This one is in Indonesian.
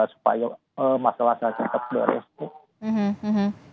supaya masalah saya tetap beres bu